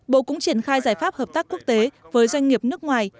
bộ cũng triển khai giải pháp hợp tác quốc tế với doanh nghiệp nước ngoài